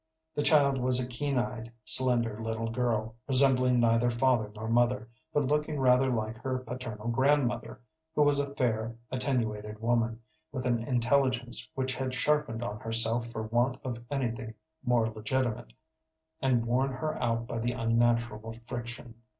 The child was a keen eyed, slender little girl, resembling neither father nor mother, but looking rather like her paternal grandmother, who was a fair, attenuated woman, with an intelligence which had sharpened on herself for want of anything more legitimate, and worn her out by the unnatural friction.